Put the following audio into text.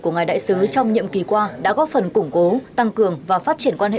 của ngài đại sứ trong nhiệm kỳ qua đã góp phần củng cố tăng cường và phát triển quan hệ